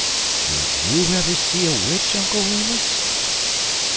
"Did you ever see a witch, Uncle Remus?"